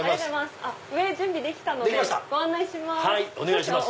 上準備できたのでご案内します。